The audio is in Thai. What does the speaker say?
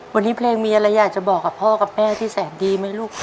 วันนี้เพลงมีอะไรอยากจะบอกกับพ่อกับแม่ที่แสนดีไหมลูก